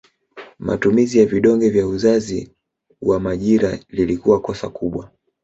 Matumizi ya vidonge vya uzazi wa majira lilikuwa kosa kubwa